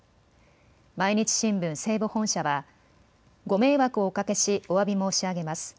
毎日新聞西部本社はご迷惑をおかけしおわび申し上げます。